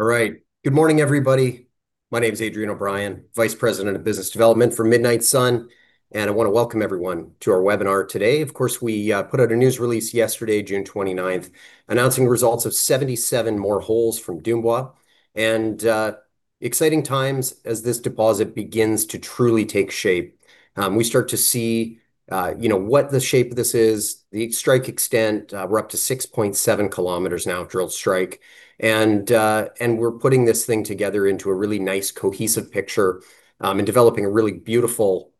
All right. Good morning, everybody. My name's Adrian O'Brien, Vice President, Business Development for Midnight Sun, and I want to welcome everyone to our webinar today. Of course, we put out a news release yesterday, June 29th, announcing results of 77 more holes from Dumbwa, and exciting times as this deposit begins to truly take shape. We start to see what the shape of this is, the strike extent. We're up to 6.7 km now of drilled strike, and we're putting this thing together into a really nice, cohesive picture and developing a really beautiful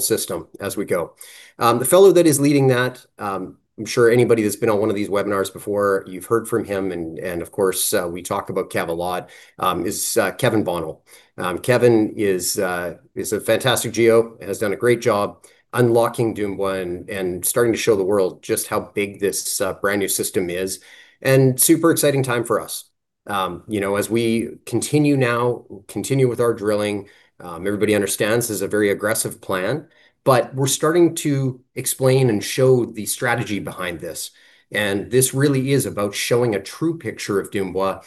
system as we go. The fellow that is leading that, I'm sure anybody that's been on one of these webinars before, you've heard from him, and of course, we talk about Kev a lot, is Kevin Bonel. Kevin is a fantastic geo, has done a great job unlocking Dumbwa and starting to show the world just how big this brand-new system is, and super exciting time for us. As we continue now with our drilling, everybody understands this is a very aggressive plan, but we're starting to explain and show the strategy behind this. This really is about showing a true picture of Dumbwa,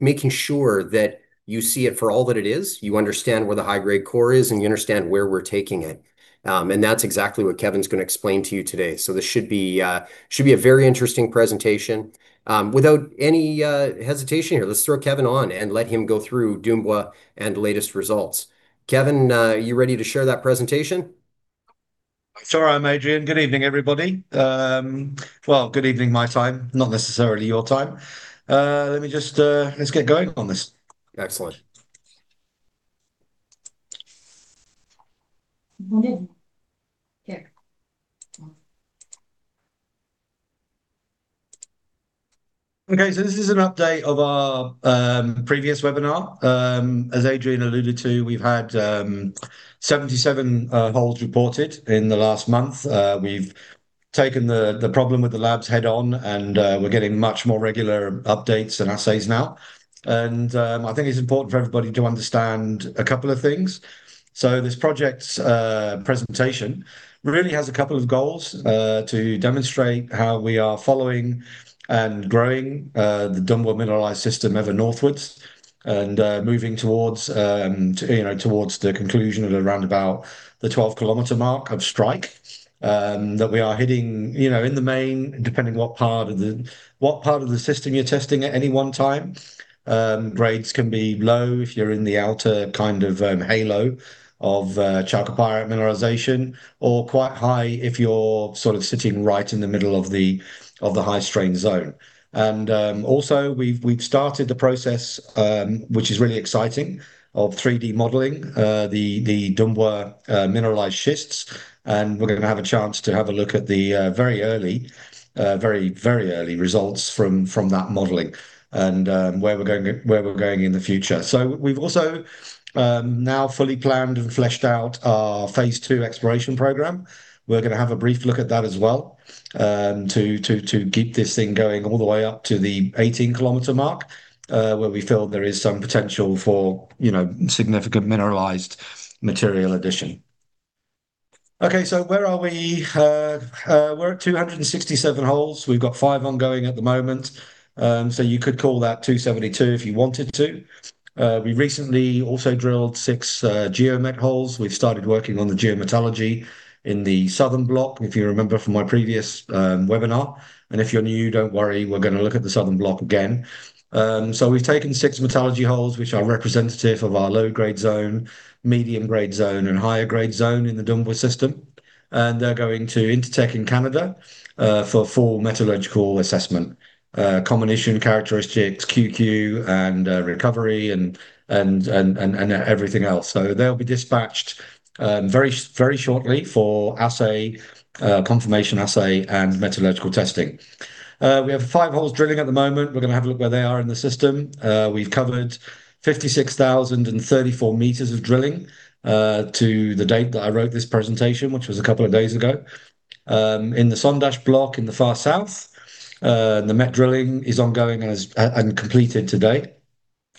making sure that you see it for all that it is, you understand where the high-grade core is, and you understand where we're taking it. That's exactly what Kevin's going to explain to you today. This should be a very interesting presentation. Without any hesitation here, let's throw Kevin on and let him go through Dumbwa and latest results. Kevin, are you ready to share that presentation? Sure I am, Adrian. Good evening, everybody. Well, good evening my time, not necessarily your time. Let's get going on this. Excellent. We're good. Yeah. Okay, this is an update of our previous webinar. As Adrian alluded to, we've had 77 holes reported in the last month. We've taken the problem with the labs head-on, and we're getting much more regular updates and assays now. I think it's important for everybody to understand a couple of things. This project's presentation really has a couple of goals: to demonstrate how we are following and growing the Dumbwa mineralized system ever northwards, and moving towards the conclusion at around about the 12-km mark of strike, that we are hitting in the main, depending what part of the system you're testing at any one time. Grades can be low if you're in the outer kind of halo of chalcopyrite mineralization or quite high if you're sort of sitting right in the middle of the high-strain zone. Also we've started the process, which is really exciting, of 3D modeling the Dumbwa mineralized schists, and we're going to have a chance to have a look at the very early results from that modeling and where we're going in the future. We've also now fully planned and fleshed out our phase II exploration program. We're going to have a brief look at that as well to keep this thing going all the way up to the 18 km mark, where we feel there is some potential for significant mineralized material addition. Where are we? We're at 267 holes. We've got five ongoing at the moment, so you could call that 272 if you wanted to. We recently also drilled six geomech holes. We've started working on the geometallurgy in the southern block, if you remember from my previous webinar. If you're new, don't worry, we're going to look at the southern block again. We've taken six metallurgy holes, which are representative of our low-grade zone, medium-grade zone, and higher-grade zone in the Dumbwa system. They're going to Intertek in Canada for full metallurgical assessment, comminution characteristics, QQ, and recovery, and everything else. They'll be dispatched very shortly for confirmation assay and metallurgical testing. We have five holes drilling at the moment. We've covered 56,034 m of drilling to the date that I wrote this presentation, which was a couple of days ago. In the Sondash block in the far south, the met drilling is ongoing and completed to date.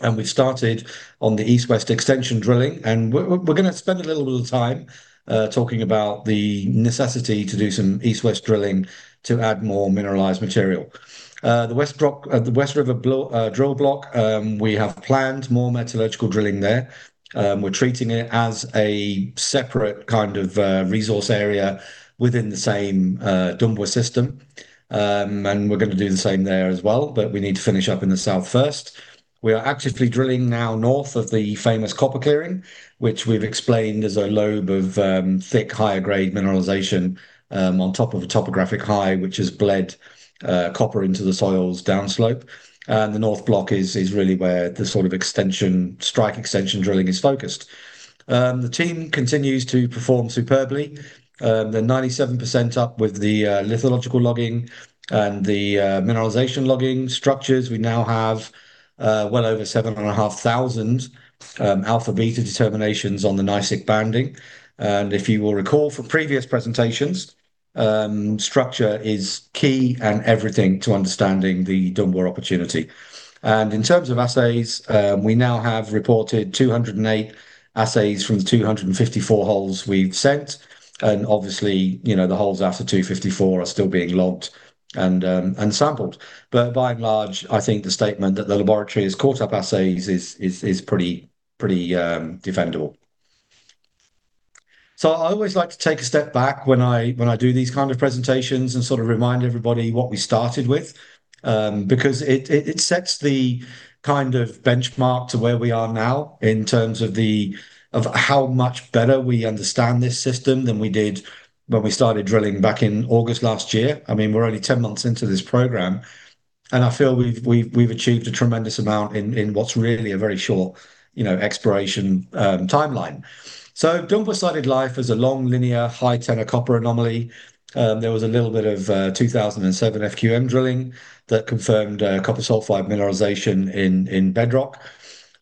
We've started on the east-west extension drilling. We're going to spend a little bit of time talking about the necessity to do some east-west drilling to add more mineralized material. The West River drill block, we have planned more metallurgical drilling there. We're treating it as a separate kind of resource area within the same Dumbwa system. We're going to do the same there as well, but we need to finish up in the south first. We are actively drilling now north of the famous copper clearing, which we've explained is a lobe of thick, higher-grade mineralization on top of a topographic high, which has bled copper into the soils downslope. The north block is really where the sort of strike extension drilling is focused. The team continues to perform superbly. They're 97% up with the lithological logging and the mineralization logging structures. We now have well over 7,500 alpha/beta determinations on the gneissic banding. If you will recall from previous presentations, structure is key and everything to understanding the Dumbwa opportunity. In terms of assays, we now have reported 208 assays from the 254 holes we've sent. Obviously, the holes after 254 are still being logged and sampled. By and large, I think the statement that the laboratory has caught up assays is pretty defendable. I always like to take a step back when I do these kind of presentations and remind everybody what we started with, because it sets the kind of benchmark to where we are now in terms of how much better we understand this system than we did when we started drilling back in August last year. We're only 10 months into this program, and I feel we've achieved a tremendous amount in what's really a very short exploration timeline. Dumbwa started life as a long linear high tenor copper anomaly. There was a little bit of 2007 FQM drilling that confirmed copper sulfide mineralization in bedrock.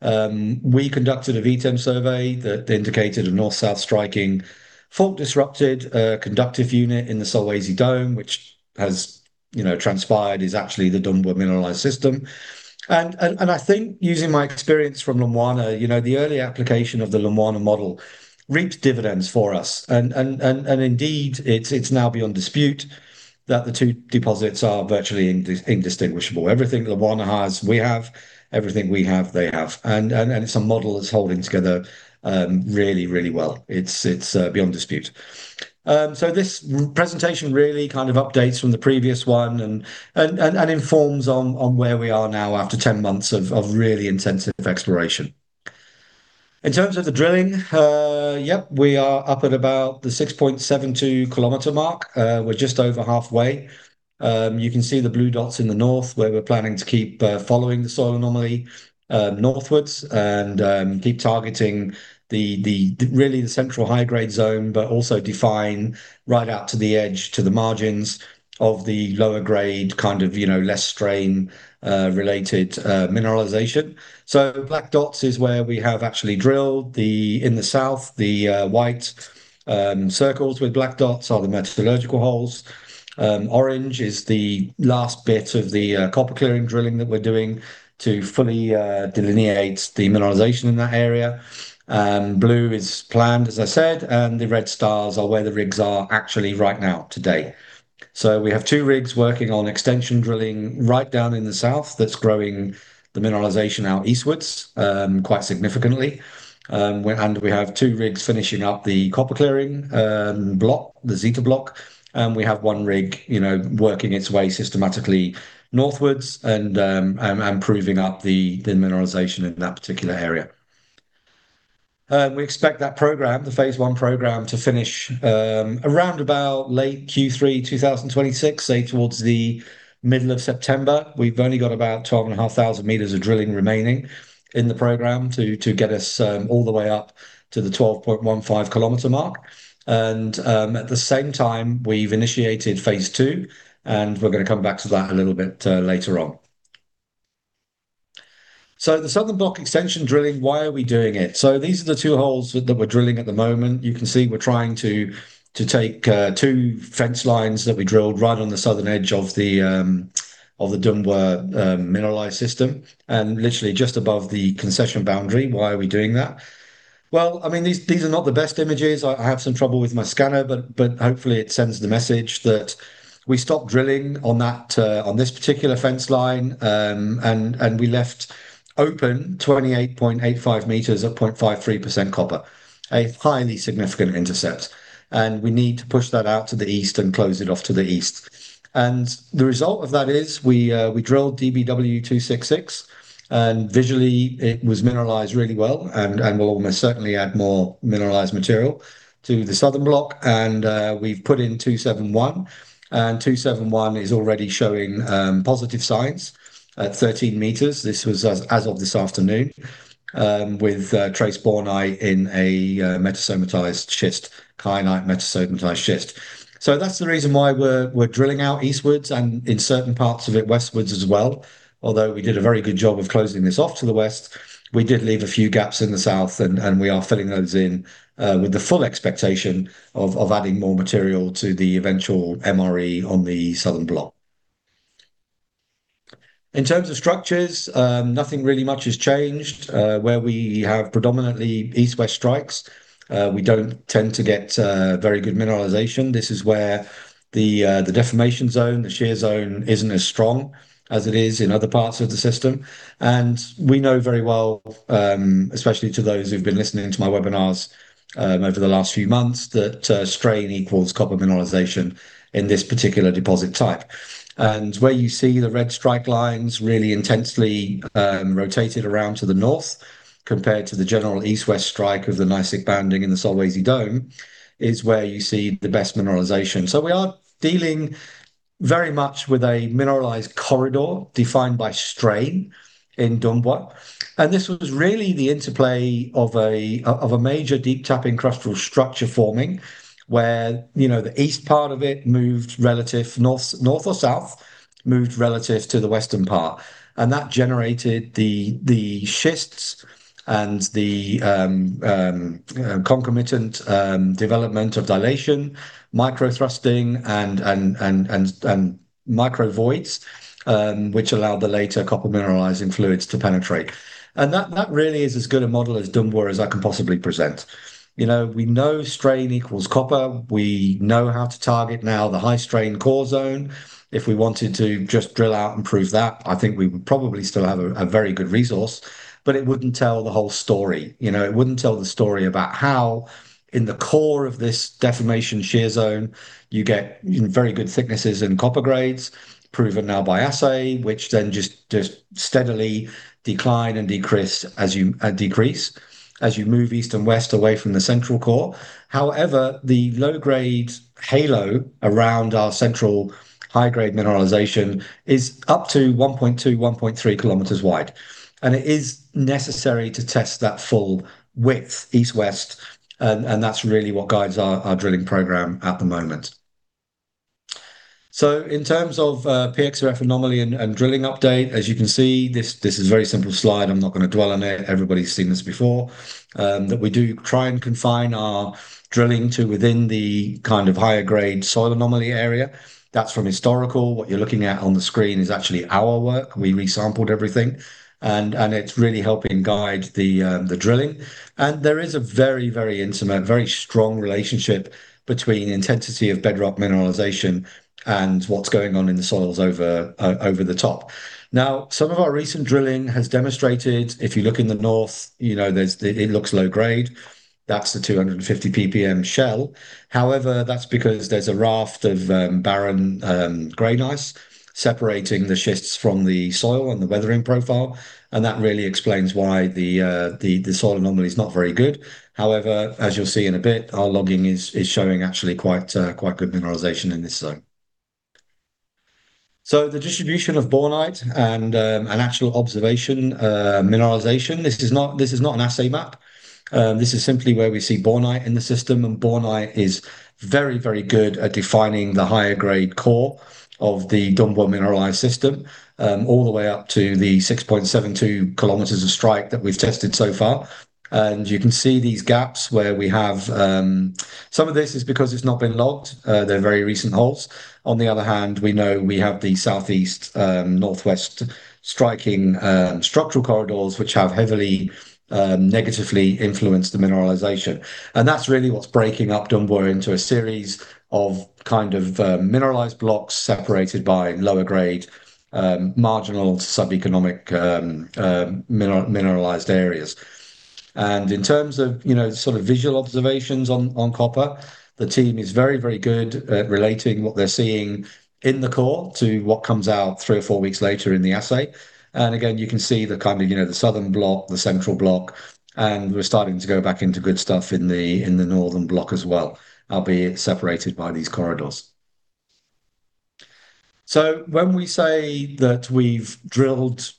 We conducted a VTEM survey that indicated a north-south striking fault disrupted conductive unit in the Solwezi Dome, which has transpired is actually the Dumbwa mineralized system. I think using my experience from Lumwana, the early application of the Lumwana model reaps dividends for us. Indeed, it's now beyond dispute that the two deposits are virtually indistinguishable. Everything Lumwana has, we have, everything we have, they have. And it's a model that's holding together really well. It's beyond dispute. This presentation really kind of updates from the previous one and informs on where we are now after 10 months of really intensive exploration. In terms of the drilling, yep, we are up at about the 6.72 km mark. We're just over halfway. You can see the blue dots in the north where we're planning to keep following the soil anomaly northwards and keep targeting really the central high-grade zone, but also define right out to the edge, to the margins of the lower grade, kind of less strain-related mineralization. The black dots is where we have actually drilled. In the south, the white circles with black dots are the metallurgical holes. Orange is the last bit of the copper clearing drilling that we're doing to fully delineate the mineralization in that area. Blue is planned, as I said, and the red stars are where the rigs are actually right now today. We have two rigs working on extension drilling right down in the south that's growing the mineralization out eastwards quite significantly. We have two rigs finishing up the copper clearing block, the Zeta block. We have one rig working its way systematically northwards and proving up the mineralization in that particular area. We expect that program, the phase one program, to finish around about late Q3 2026, say towards the middle of September. We've only got about 12,500 m of drilling remaining in the program to get us all the way up to the 12.15 km mark. At the same time, we've initiated phase two, and we're going to come back to that a little bit later on. The southern block extension drilling, why are we doing it? These are the two holes that we're drilling at the moment. You can see we're trying to take two fence lines that we drilled right on the southern edge of the Dumbwa mineralized system, and literally just above the concession boundary. Why are we doing that? Well, these are not the best images. I have some trouble with my scanner, but hopefully it sends the message that we stopped drilling on this particular fence line, and we left open 28.85 m at 0.53% copper, a highly significant intercept. We need to push that out to the east and close it off to the east. The result of that is we drilled DBW-266, and visually it was mineralized really well and will almost certainly add more mineralized material to the southern block. We've put in 271, and 271 is already showing positive signs at 13 m. This was as of this afternoon, with trace bornite in a metasomatized schist, kyanite metasomatized schist. That's the reason why we're drilling out eastwards and in certain parts of it, westwards as well. Although we did a very good job of closing this off to the west, we did leave a few gaps in the south, and we are filling those in with the full expectation of adding more material to the eventual MRE on the southern block. In terms of structures, nothing really much has changed. Where we have predominantly east-west strikes, we don't tend to get very good mineralization. This is where the deformation zone, the shear zone, isn't as strong as it is in other parts of the system. We know very well, especially to those who've been listening to my webinars over the last few months, that strain equals copper mineralization in this particular deposit type. Where you see the red strike lines really intensely rotated around to the north compared to the general east-west strike of the gneissic banding in the Solwezi Dome is where you see the best mineralization. We are dealing very much with a mineralized corridor defined by strain in Dumbwa. This was really the interplay of a major deep-tapping crustal structure forming where the east part of it moved relative north or south, moved relative to the western part. That generated the schists and the concomitant development of dilation, micro thrusting, and micro voids, which allowed the later copper mineralizing fluids to penetrate. That really is as good a model as Dumbwa as I can possibly present. We know strain equals copper. We know how to target now the high-strain core zone. If we wanted to just drill out and prove that, I think we would probably still have a very good resource. It wouldn't tell the whole story. It wouldn't tell the story about how in the core of this deformation shear zone, you get very good thicknesses in copper grades, proven now by assay, which then just steadily decline and decrease as you move east and west away from the central core. However, the low-grade halo around our central high-grade mineralization is up to 1.2, 1.3 km wide, and it is necessary to test that full width east-west. That's really what guides our drilling program at the moment. In terms of PXRF anomaly and drilling update, as you can see, this is a very simple slide. I'm not going to dwell on it. Everybody's seen this before. We do try and confine our drilling to within the kind of higher grade soil anomaly area. From historical. What you're looking at on the screen is actually our work. We resampled everything, and it's really helping guide the drilling. There is a very intimate, very strong relationship between intensity of bedrock mineralization and what's going on in the soils over the top. Some of our recent drilling has demonstrated, if you look in the north, it looks low grade. That's the 250 ppm shell. However, that's because there's a raft of barren granite separating the schists from the soil and the weathering profile. That really explains why the soil anomaly is not very good. However, as you'll see in a bit, our logging is showing actually quite good mineralization in this zone. The distribution of bornite and an actual observation mineralization. This is not an assay map. This is simply where we see bornite in the system. Bornite is very good at defining the higher grade core of the Dumbwa mineralized system, all the way up to the 6.72 km of strike that we've tested so far. You can see these gaps, some of this is because it's not been logged. They're very recent holes. On the other hand, we know we have the southeast-northwest striking structural corridors, which have heavily negatively influenced the mineralization. That's really what's breaking up Dumbwa into a series of kind of mineralized blocks separated by lower grade, marginal sub-economic mineralized areas. In terms of sort of visual observations on copper, the team is very good at relating what they're seeing in the core to what comes out three or four weeks later in the assay. Again, you can see the kind of southern block, the central block, and we're starting to go back into good stuff in the northern block as well, albeit separated by these corridors. When we say that we've drilled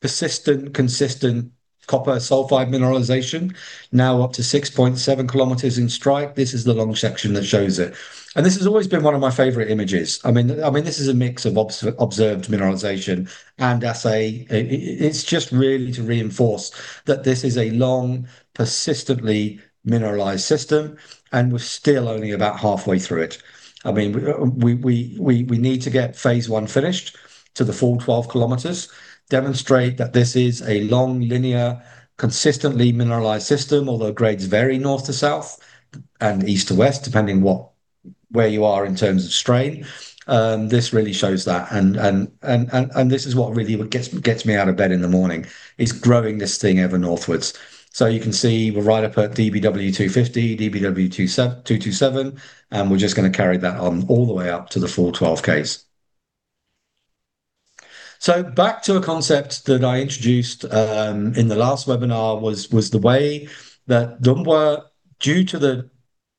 persistent, consistent copper sulfide mineralization, now up to 6.7 km in strike, this is the long section that shows it. This has always been one of my favorite images. This is a mix of observed mineralization and assay. It's just really to reinforce that this is a long, persistently mineralized system, and we're still only about halfway through it. We need to get phase one finished to the full 12 km, demonstrate that this is a long, linear, consistently mineralized system, although grades vary north to south and east to west, depending where you are in terms of strain. This really shows that, and this is what really gets me out of bed in the morning, is growing this thing ever northwards. You can see we're right up at DBW-250, DBW-227, and we're just going to carry that on all the way up to the full 12Ks. Back to a concept that I introduced in the last webinar was the way that Dumbwa, due to the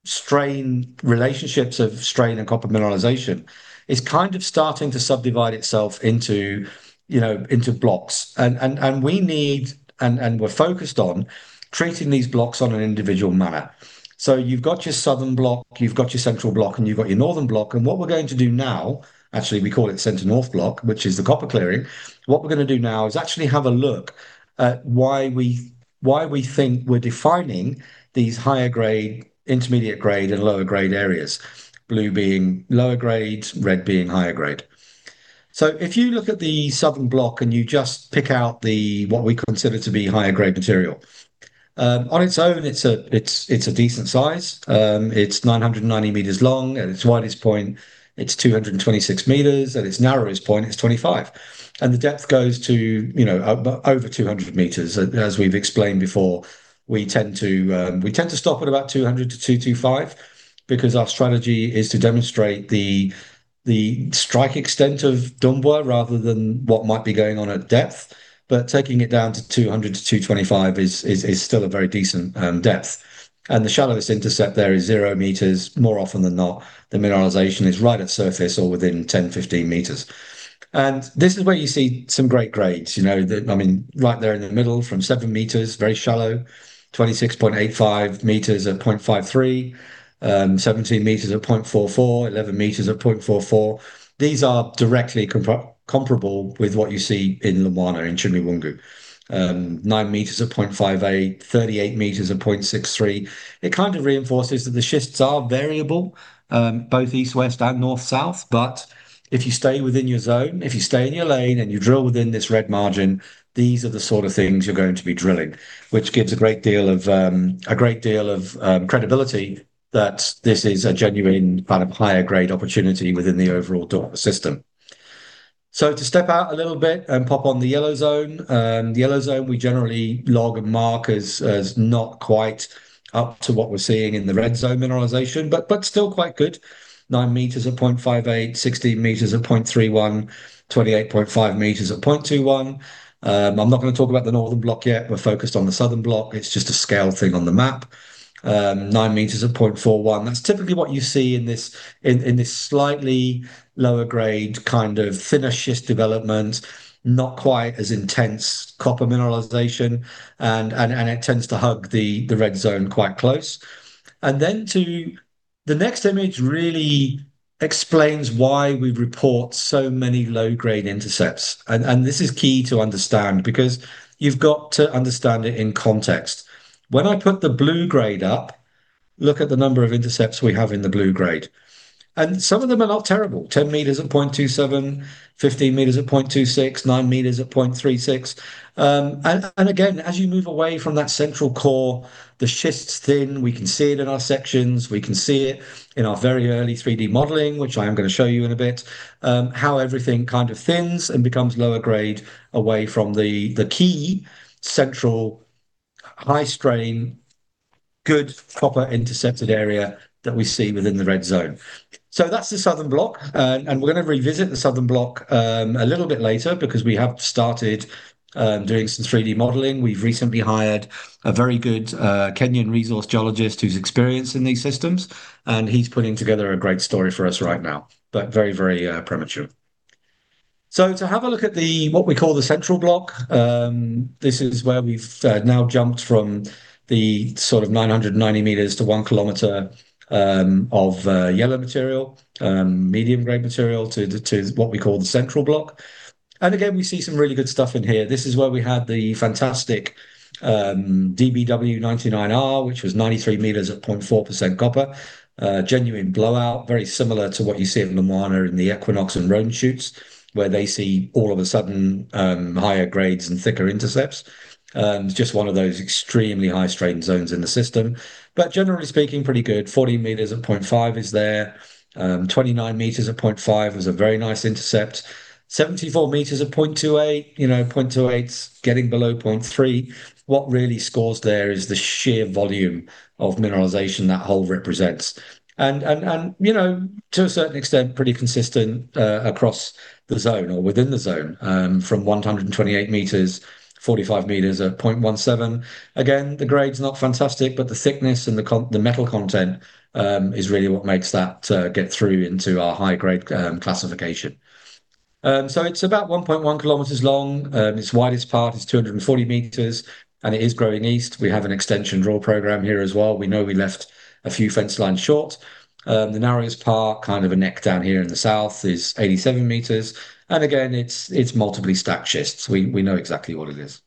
strain relationships of strain and copper mineralization, is kind of starting to subdivide itself into blocks. We need, and we're focused on treating these blocks on an individual manner. You've got your southern block, you've got your central block, and you've got your northern block, and what we're going to do now, actually, we call it center north block, which is the copper clearing. What we're going to do now is actually have a look at why we think we're defining these higher grade, intermediate grade, and lower grade areas. Blue being lower grade, red being higher grade. If you look at the southern block and you just pick out what we consider to be higher grade material. On its own, it's a decent size. It's 990 m long. At its widest point, it's 226 m. At its narrowest point, it's 25. The depth goes to over 200 m. As we've explained before, we tend to stop at about 200 to 225 because our strategy is to demonstrate the strike extent of Dumbwa rather than what might be going on at depth. Taking it down to 200 to 225 is still a very decent depth. The shallowest intercept there is zero m. More often than not, the mineralization is right at surface or within 10, 15 m. This is where you see some great grades. Right there in the middle from seven m, very shallow, 26.85 m at 0.53, 17 m at 0.44, 11 m at 0.44. These are directly comparable with what you see in Lumwana, in Chimiwungo. Nine m at 0.58, 38 m at 0.63. It kind of reinforces that the schists are variable both east, west and north, south. If you stay within your zone, if you stay in your lane and you drill within this red margin, these are the sort of things you're going to be drilling, which gives a great deal of credibility that this is a genuine kind of higher grade opportunity within the overall Dumbwa system. To step out a little bit and pop on the yellow zone. The yellow zone we generally log and mark as not quite up to what we're seeing in the red zone mineralization, but still quite good. 9 m at 0.58, 16 m at 0.31, 28.5 m at 0.21. I'm not going to talk about the northern block yet. We're focused on the southern block. It's just a scale thing on the map. 9 m at 0.41. That's typically what you see in this slightly lower grade kind of thinner schist development, not quite as intense copper mineralization, and it tends to hug the red zone quite close. The next image really explains why we report so many low-grade intercepts, and this is key to understand because you've got to understand it in context. When I put the blue grade up, look at the number of intercepts we have in the blue grade. Some of them are not terrible. 10 m at 0.27, 15 m at 0.26, 9 m at 0.36. Again, as you move away from that central core, the schist's thin. We can see it in our sections. We can see it in our very early 3D modeling, which I am going to show you in a bit, how everything kind of thins and becomes lower grade away from the key central high-strain, good proper intersected area that we see within the red zone. That's the southern block. We're going to revisit the southern block a little bit later because we have started doing some 3D modeling. We've recently hired a very good Kenyan resource geologist who's experienced in these systems, and he's putting together a great story for us right now, but very premature. To have a look at the, what we call the central block, this is where we've now jumped from the sort of 990 m to one kilom of yellow material, medium gray material to what we call the central block. Again, we see some really good stuff in here. This is where we had the fantastic DBW99R, which was 93 m at 0.4% copper. Genuine blowout, very similar to what you see at Lumwana in the Equinox and Roan shoots, where they see all of a sudden higher grades and thicker intercepts. Just one of those extremely high-strain zones in the system. Generally speaking, pretty good. 40 m at 0.5% is there. 29 m at 0.5% is a very nice intercept. 74 m at 0.28%. 0.28% is getting below 0.3%. What really scores there is the sheer volume of mineralization that hole represents. To a certain extent, pretty consistent across the zone or within the zone, from 128 m, 45 m at 0.17%. Again, the grade is not fantastic, but the thickness and the metal content is really what makes that get through into our high-grade classification. It is about 1.1 km long. Its widest part is 240 m, it is growing east. We have an extension drill program here as well. We know we left a few fence lines short. The narrowest part, kind of a neck down here in the south, is 87 m. Again, it is multiply stacked schists. We know exactly what it is.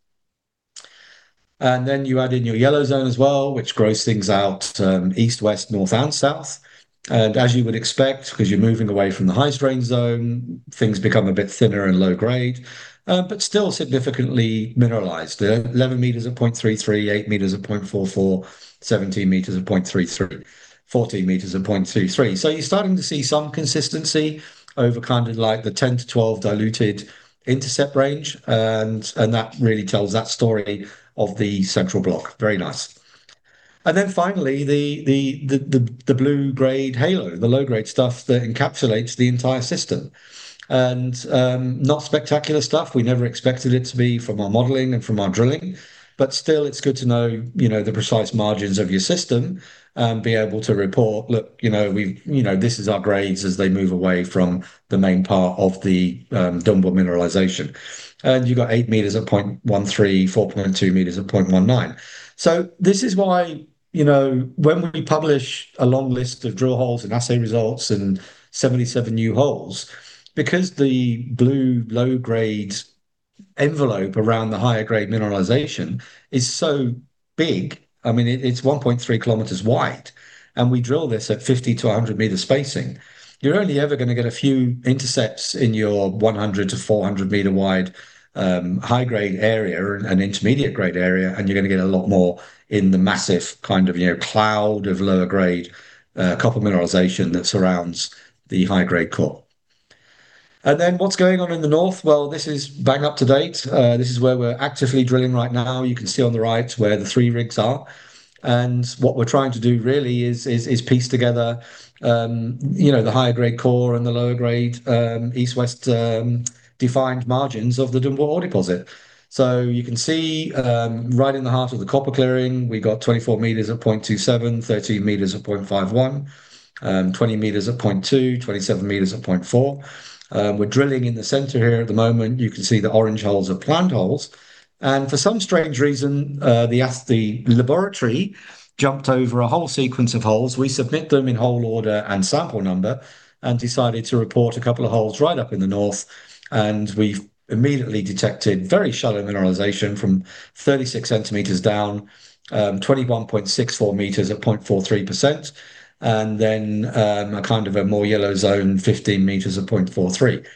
Then you add in your yellow zone as well, which grows things out east, west, north, and south. As you would expect, because you are moving away from the high-strain zone, things become a bit thinner and low grade, but still significantly mineralized. 11 m at 0.33%, 8 m at 0.44%, 17 m at 0.33%, 14 m at 0.23%. You are starting to see some consistency over kind of like the 10 to 12 diluted intercept range, and that really tells that story of the central block. Very nice. Finally, the blue grade halo, the low-grade stuff that encapsulates the entire system. Not spectacular stuff. We never expected it to be from our modeling and from our drilling, but still it is good to know the precise margins of your system and be able to report, "Look, this is our grades as they move away from the main part of the Dumbwa mineralization." You have got eight m at 0.13%, 4.2 m at 0.19%. This is why when we publish a long list of drill holes and assay results and 77 new holes, because the blue low grade envelope around the higher grade mineralization is so big, I mean it is 1.3 km wide, and we drill this at 50 -100 m spacing. You are only ever going to get a few intercepts in your 100 - 400 m wide high grade area or an intermediate grade area, you are going to get a lot more in the massive kind of cloud of lower grade copper mineralization that surrounds the high-grade core. What is going on in the north? This is bang up to date. This is where we are actively drilling right now. You can see on the right where the three rigs are. What we are trying to do really is piece together the higher grade core and the lower grade east-west defined margins of the Dumbwa ore deposit. You can see right in the heart of the copper clearing, we got 24 m at 0.27%, 13 m at 0.51%, 20 m at 0.2%, 27 m at 0.4%. We are drilling in the center here at the moment. You can see the orange holes are plant holes. For some strange reason, the laboratory jumped over a whole sequence of holes. We submit them in hole order and sample number and decided to report a couple of holes right up in the north and we've immediately detected very shallow mineralization from 36 cm down, 21.64 m at 0.43%, then a kind of a more yellow zone, 15 m at 0.43%.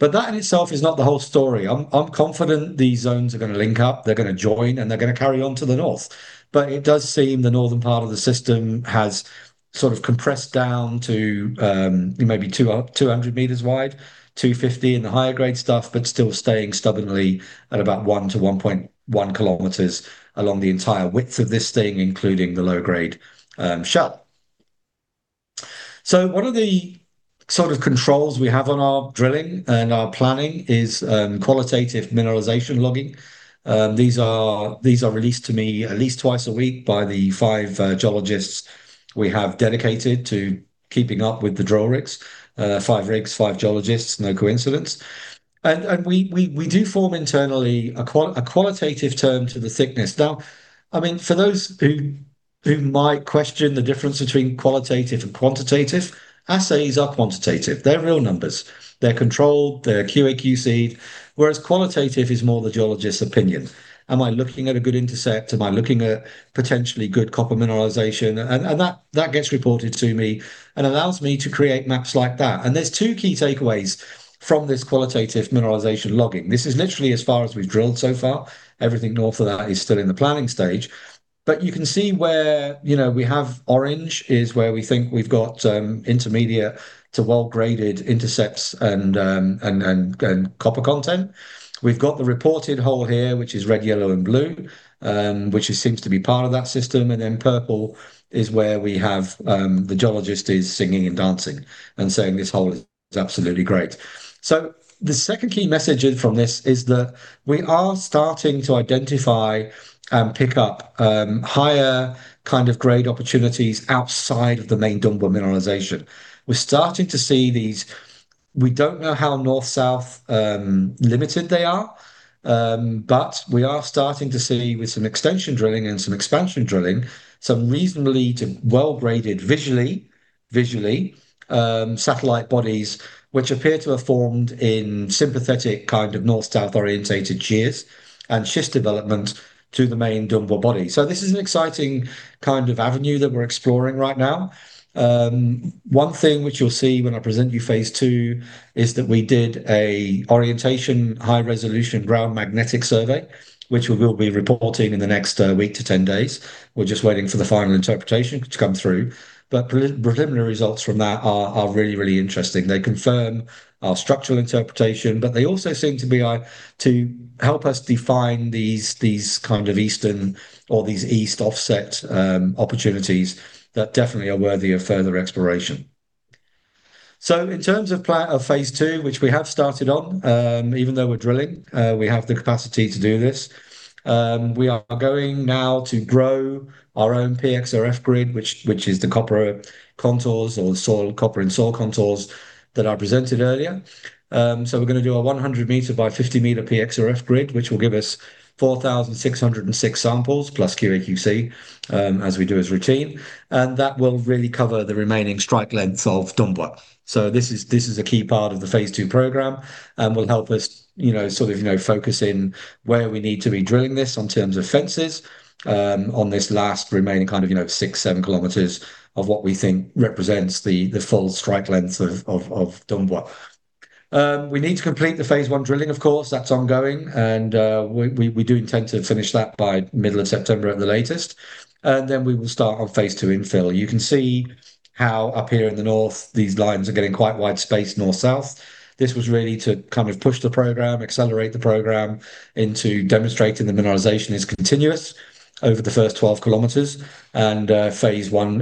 That in itself is not the whole story. I'm confident these zones are going to link up, they're going to join, and they're going to carry on to the north. It does seem the northern part of the system has sort of compressed down to maybe 200 m wide, 250 m in the higher grade stuff, but still staying stubbornly at about 1 km to 1.1 km along the entire width of this thing, including the low grade shell. One of the controls we have on our drilling and our planning is qualitative mineralization logging. These are released to me at least twice a week by the five geologists we have dedicated to keeping up with the drill rigs. Five rigs, five geologists, no coincidence. We do form internally a qualitative term to the thickness. Now, for those who might question the difference between qualitative and quantitative, assays are quantitative. They're real numbers. They're controlled, they're QA/QC'd, whereas qualitative is more the geologist's opinion. Am I looking at a good intercept? Am I looking at potentially good copper mineralization? That gets reported to me and allows me to create maps like that. There's two key takeaways from this qualitative mineralization logging. This is literally as far as we've drilled so far. Everything north of that is still in the planning stage. You can see where we have orange is where we think we've got intermediate to well-graded intercepts and copper content. We've got the reported hole here, which is red, yellow, and blue, which seems to be part of that system. Then purple is where we have the geologist is singing and dancing and saying this hole is absolutely great. The second key message from this is that we are starting to identify and pick up higher grade opportunities outside of the main Dumbwa mineralization. We're starting to see these. We don't know how north-south limited they are, we are starting to see, with some extension drilling and some expansion drilling, some reasonably to well-graded, visually satellite bodies, which appear to have formed in sympathetic kind of north-south orientated shears and schist development to the main Dumbwa body. This is an exciting avenue that we're exploring right now. One thing which you'll see when I present you phase two is that we did an orientation high-resolution ground magnetic survey, which we will be reporting in the next week to 10 days. We're just waiting for the final interpretation to come through. Preliminary results from that are really interesting. They confirm our structural interpretation, but they also seem to help us define these kind of eastern or these east offset opportunities that definitely are worthy of further exploration. In terms of phase II, which we have started on, even though we're drilling, we have the capacity to do this. We are going now to grow our own PXRF grid, which is the copper contours or copper in soil contours that I presented earlier. We are going to do a 100 m by 50 m PXRF grid, which will give us 4,606 samples plus QA/QC, as we do as routine. That will really cover the remaining strike length of Dumbwa. This is a key part of the phase II program and will help us focus in where we need to be drilling this on terms of fences on this last remaining six, seven km of what we think represents the full strike length of Dumbwa. We need to complete the phase I drilling, of course. That's ongoing, and we do intend to finish that by middle of September at the latest. Then we will start on phase II infill. You can see how up here in the north, these lines are getting quite wide spaced north-south. This was really to push the program, accelerate the program into demonstrating the mineralization is continuous over the first 12 km.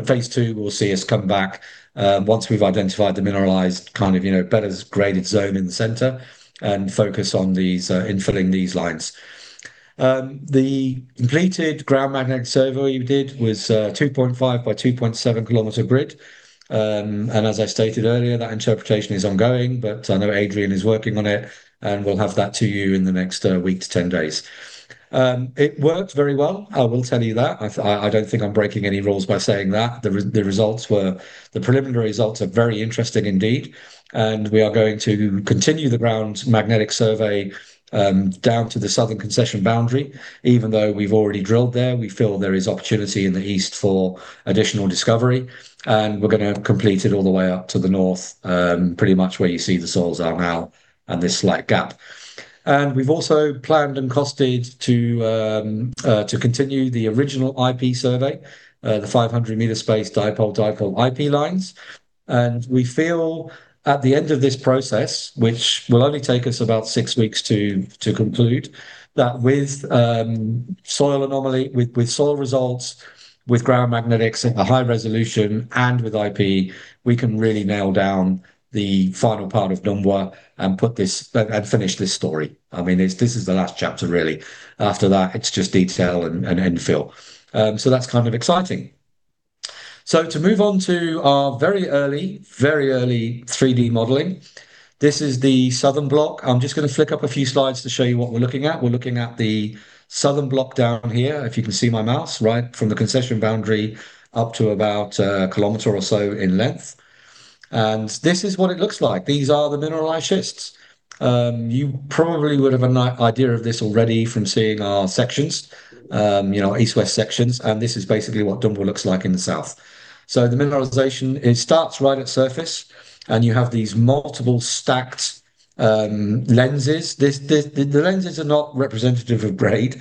Phase II will see us come back once we've identified the mineralized better graded zone in the center and focus on these infilling these lines. The completed ground magnetic survey we did was a 2.5 by 2.7-kilom grid. As I stated earlier, that interpretation is ongoing, but I know Adrian is working on it, and we'll have that to you in the next week to 10 days. It worked very well, I will tell you that. I don't think I'm breaking any rules by saying that. The preliminary results are very interesting indeed. We are going to continue the ground magnetic survey down to the southern concession boundary. Even though we've already drilled there, we feel there is opportunity in the east for additional discovery, and we're going to complete it all the way up to the north, pretty much where you see the soils are now and this slight gap. We've also planned and costed to continue the original IP survey, the 500-m space dipole-dipole IP lines. We feel at the end of this process, which will only take us about six weeks to conclude, that with soil results, with ground magnetics at a high resolution, and with IP, we can really nail down the final part of Dumbwa and finish this story. This is the last chapter, really. After that, it's just detail and infill. That's kind of exciting. To move on to our very early 3D modeling. This is the southern block. I am just going to flick up a few slides to show you what we're looking at. We're looking at the southern block down here, if you can see my mouse, right from the concession boundary up to about a kilom or so in length. This is what it looks like. These are the mineralized schists. You probably would have an idea of this already from seeing our sections, our east-west sections, and this is basically what Dumbwa looks like in the south. The mineralization, it starts right at surface, and you have these multiple stacked lenses. The lenses are not representative of grade.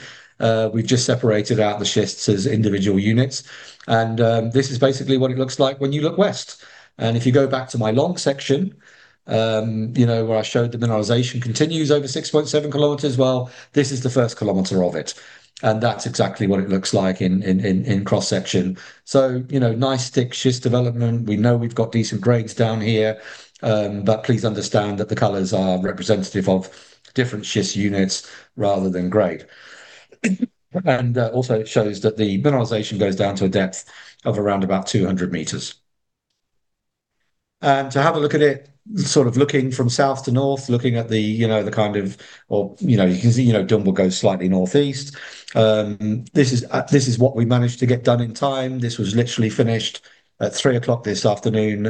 We've just separated out the schists as individual units. This is basically what it looks like when you look west. If you go back to my long section where I showed the mineralization continues over 6.7 km, this is the first kilom of it, and that's exactly what it looks like in cross-section. Nice thick schist development. We know we've got decent grades down here, but please understand that the colors are representative of different schist units rather than grade. Also it shows that the mineralization goes down to a depth of around about 200 m. To have a look at it, looking from south to north, looking at the You can see Dumbwa goes slightly northeast. This is what we managed to get done in time. This was literally finished at 3:00 P.M. this afternoon,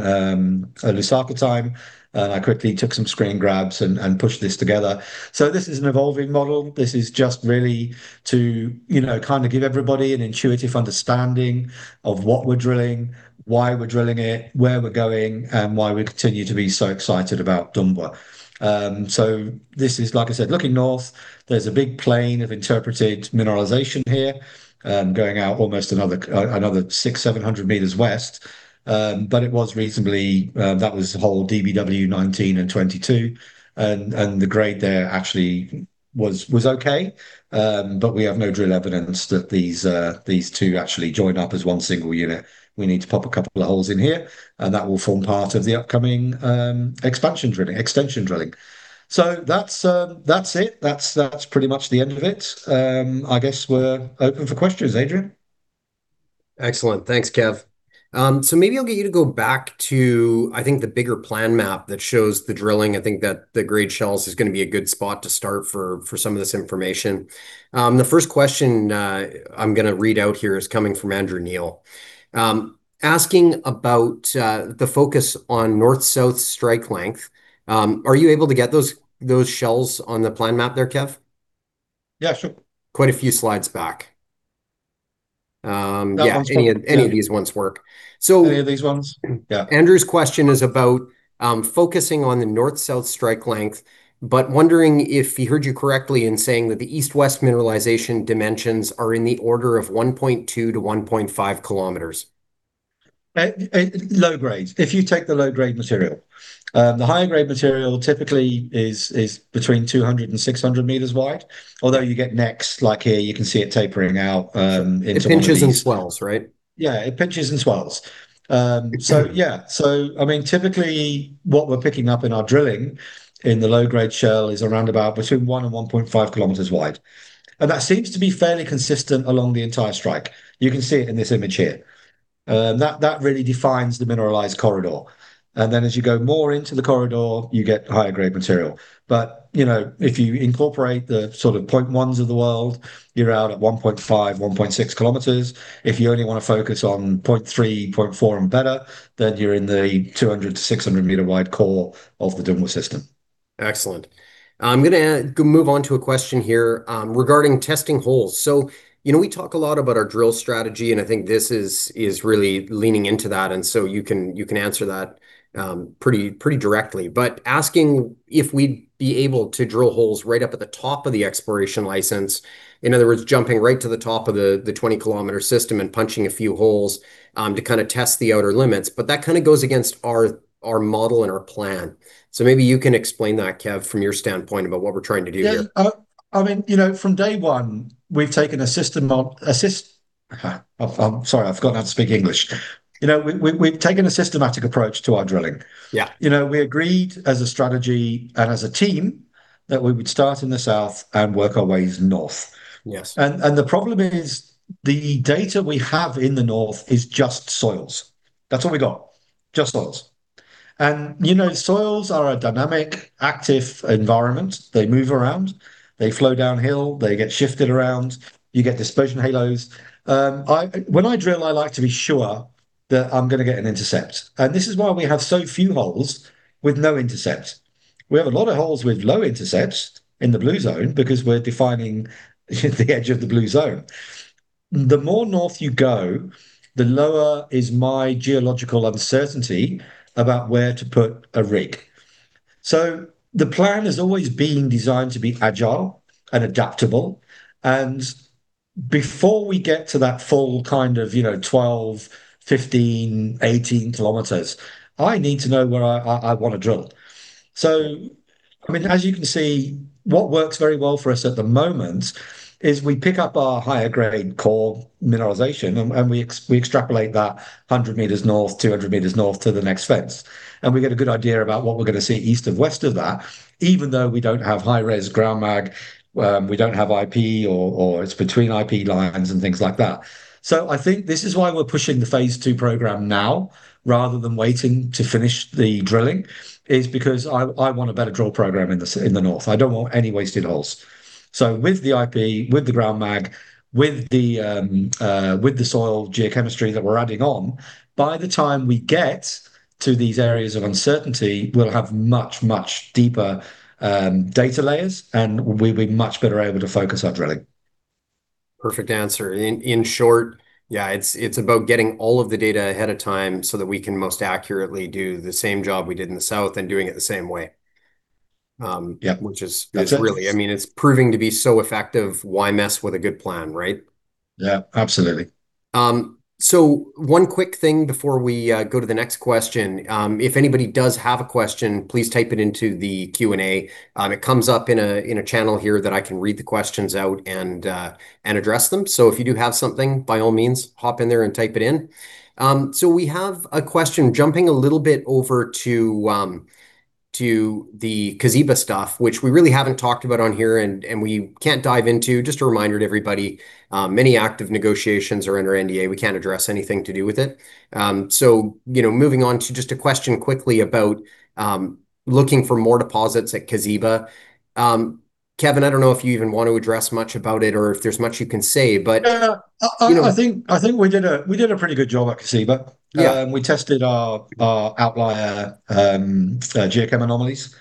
Lusaka time, and I quickly took some screen grabs and pushed this together. This is an evolving model. This is just really to give everybody an intuitive understanding of what we're drilling, why we're drilling it, where we're going, and why we continue to be so excited about Dumbwa. This is, like I said, looking north. There's a big plain of interpreted mineralization here, going out almost another 600, 700 m west. It was reasonably That was hole DBW 19 and 22, and the grade there actually was okay. We have no drill evidence that these two actually join up as one single unit. We need to pop a couple of holes in here, and that will form part of the upcoming extension drilling. That's it. That's pretty much the end of it. I guess we're open for questions. Adrian? Excellent. Thanks, Kev. Maybe I'll get you to go back to, I think, the bigger plan map that shows the drilling. I think that the grade shells is going to be a good spot to start for some of this information. The first question I'm going to read out here is coming from Andrew Neal, asking about the focus on north-south strike length. Are you able to get those shells on the plan map there, Kev? Yeah, sure. Quite a few slides back. That one. Yeah. Any of these ones work. Any of these ones? Yeah. Andrew's question is about focusing on the north-south strike length, but wondering if he heard you correctly in saying that the east-west mineralization dimensions are in the order of 1.2 to 1.5 km. Low grade. If you take the low-grade material. The high-grade material typically is between 200 and 600 m wide. Although you get necks, like here, you can see it tapering out into one of these. It pinches and swells, right? Yeah, it pinches and swells. Exactly. Yeah. Typically, what we're picking up in our drilling in the low-grade shell is around about between 1 and 1.5 km wide, and that seems to be fairly consistent along the entire strike. You can see it in this image here. That really defines the mineralized corridor. As you go more into the corridor, you get higher grade material. If you incorporate the sort of 0.1s of the world, you're out at 1.5, 1.6 km. If you only want to focus on 0.3, 0.4 and better, then you're in the 200-600-m-wide core of the Dumbwa system. Excellent. I'm going to move on to a question here regarding testing holes. We talk a lot about our drill strategy, I think this is really leaning into that, you can answer that pretty directly. Asking if we'd be able to drill holes right up at the top of the exploration license. In other words, jumping right to the top of the 20-kilom system and punching a few holes to test the outer limits. That goes against our model and our plan. Maybe you can explain that, Kev, from your standpoint about what we're trying to do here. Yeah. From day one, I'm sorry, I've forgotten how to speak English. We've taken a systematic approach to our drilling. Yeah. We agreed as a strategy and as a team that we would start in the south and work our way north. Yes. The problem is the data we have in the north is just soils. That's all we got, just soils. Soils are a dynamic, active environment. They move around. They flow downhill. They get shifted around. You get dispersion halos. When I drill, I like to be sure that I'm going to get an intercept, this is why we have so few holes with no intercept. We have a lot of holes with low intercepts in the Blue Zone because we're defining the edge of the Blue Zone. The more north you go, the lower is my geological uncertainty about where to put a rig. The plan has always been designed to be agile and adaptable, before we get to that full kind of 12, 15, 18 km, I need to know where I want to drill. As you can see, what works very well for us at the moment is we pick up our higher grade core mineralization, we extrapolate that 100 m north, 200 m north to the next fence. We get a good idea about what we're going to see east and west of that, even though we don't have high-res ground mag, we don't have IP, or it's between IP lines and things like that. I think this is why we're pushing the phase II program now rather than waiting to finish the drilling, is because I want a better drill program in the north. I don't want any wasted holes. With the IP, with the ground mag, with the soil geochemistry that we're adding on, by the time we get to these areas of uncertainty, we'll have much, much deeper data layers, we'll be much better able to focus our drilling. Perfect answer. In short, yeah, it's about getting all of the data ahead of time so that we can most accurately do the same job we did in the south and doing it the same way. Yeah. Which is. That's it. Really, it's proving to be so effective. Why mess with a good plan, right? Yeah, absolutely. One quick thing before we go to the next question. If anybody does have a question, please type it into the Q&A. It comes up in a channel here that I can read the questions out and address them. If you do have something, by all means, hop in there and type it in. We have a question jumping a little bit over to the Kazhiba stuff, which we really haven't talked about on here, and we can't dive into. Just a reminder to everybody, many active negotiations are under NDA, we can't address anything to do with it. Moving on to just a question quickly about looking for more deposits at Kazhiba. Kevin, I don't know if you even want to address much about it or if there's much you can say, but- No you know. I think we did a pretty good job at Kazhiba. Yeah. We tested our outlier geochem anomalies.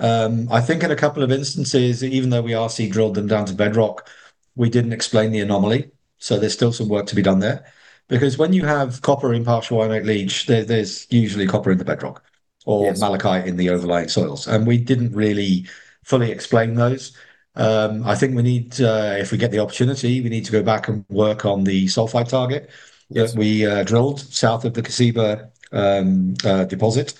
I think in a couple of instances, even though we RC drilled them down to bedrock, we didn't explain the anomaly, so there's still some work to be done there. Because when you have copper in partial ionic leach, there's usually copper in the bedrock- Yes Malachite in the overlying soils, we didn't really fully explain those. I think if we get the opportunity, we need to go back and work on the sulfide target. Yes That we drilled south of the Kazhiba deposit.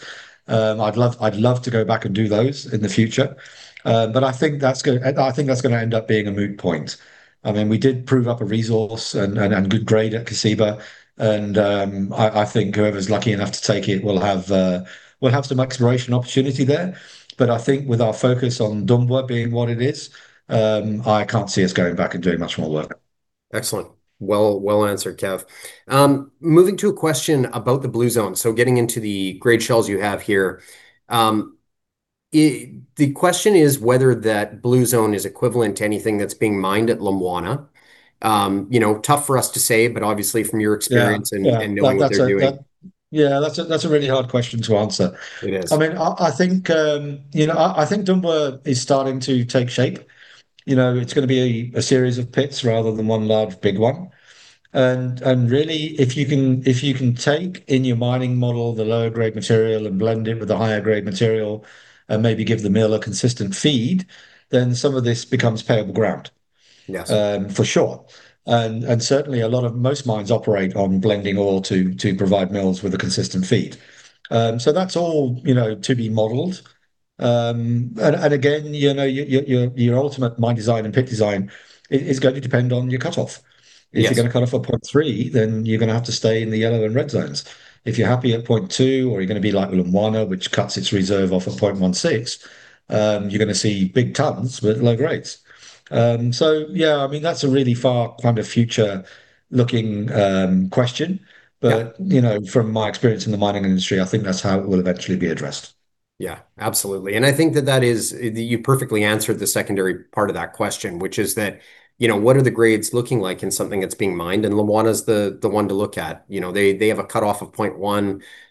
I'd love to go back and do those in the future. I think that's going to end up being a moot point. We did prove up a resource and good grade at Kazhiba, I think whoever's lucky enough to take it will have some exploration opportunity there. I think with our focus on Dumbwa being what it is, I can't see us going back and doing much more work. Excellent. Well answered, Kev. Moving to a question about the blue zone, so getting into the grade shells you have here. The question is whether that blue zone is equivalent to anything that's being mined at Lumwana. Tough for us to say, obviously from your experience. Yeah Knowing what they're doing. That's a really hard question to answer. It is. I think Dumbwa is starting to take shape. It's going to be a series of pits rather than one large, big one. Really, if you can take in your mining model the lower grade material and blend it with the higher grade material and maybe give the mill a consistent feed, some of this becomes payable ground. Yes. For sure. Certainly most mines operate on blending ore to provide mills with a consistent feed. That's all to be modeled. Again, your ultimate mine design and pit design is going to depend on your cutoff. Yes. If you are going to cut off at 0.3, you are going to have to stay in the yellow and red zones. If you are happy at 0.2 or you are going to be like Lumwana, which cuts its reserve off at 0.16, you are going to see big tonnes but low grades. Yeah, that is a really far future-looking question. Yeah. From my experience in the mining industry, I think that is how it will eventually be addressed. Yeah, absolutely. I think that you perfectly answered the secondary part of that question, which is what are the grades looking like in something that is being mined? Lumwana is the one to look at. They have a cutoff of